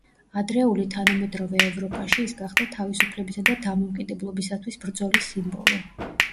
ადრეული თანამედროვე ევროპაში ის გახდა თავისუფლებისა და დამოუკიდებლობისთვის ბრძოლის სიმბოლო.